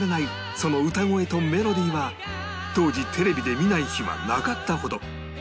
その歌声とメロディーは当時テレビで見ない日はなかったほど